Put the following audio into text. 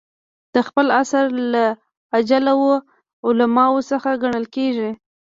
د خپل عصر له اجله وو علماوو څخه ګڼل کېدئ.